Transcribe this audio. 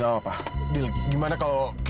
ambil ini pak